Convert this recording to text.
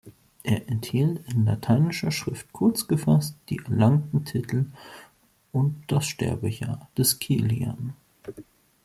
Er enthielt in lateinischer Schrift kurzgefasst die erlangten Titel und das Sterbejahr des Kilian.